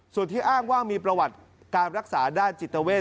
ส่วนที่อ้างว่ามีประวัติการรักษาด้านจิตเวท